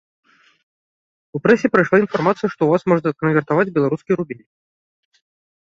У прэсе прайшла інфармацыя, што ў вас можна канвертаваць беларускі рубель.